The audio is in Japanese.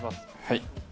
はい。